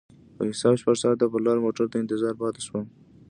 په حساب شپږ ساعته پر لار موټر ته انتظار پاتې شوم.